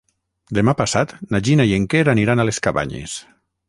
Demà passat na Gina i en Quer aniran a les Cabanyes.